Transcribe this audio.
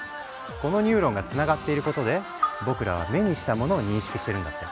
このニューロンがつながっていることで僕らは目にしたモノを認識してるんだって。